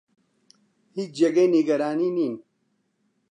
هیچ جێگەی نیگەرانی نین.